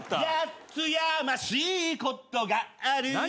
「八つやましいことがある」